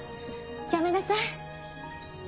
やめなさい。